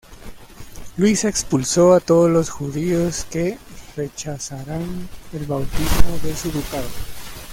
Luis expulsó a todos los judíos que rechazaran el bautismo de su ducado.